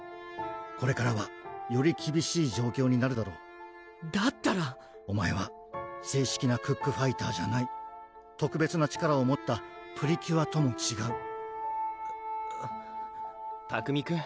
これからはよりきびしい状況になるだろうだったらお前は正式なクックファイターじゃない特別な力を持ったプリキュアともちがう拓海くん